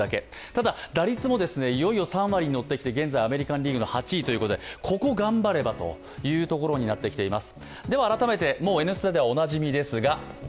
ただ、打率もいよいよ３割に乗ってきて現在アメリカン・リーグの８位ということで、ここ頑張ればというところになってきています。